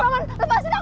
roman lepasin aku aman